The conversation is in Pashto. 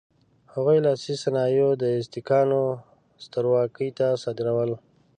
هغوی لاسي صنایع د ازتکانو سترواکۍ ته صادرول.